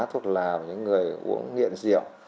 thuốc lào những người uống nghiện rượu